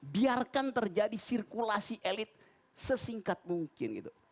biarkan terjadi sirkulasi elit sesingkat mungkin gitu